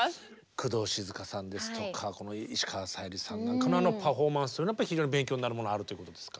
工藤静香さんですとか石川さゆりさんなんかのあのパフォーマンスというのは非常に勉強になるものはあるということですか？